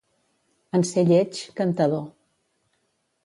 En ser lleig, cantador.